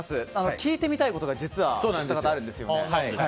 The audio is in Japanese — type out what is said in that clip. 聞いてみたいことが実は１つあるんです。